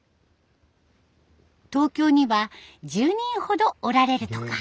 東京には１０人ほどおられるとか。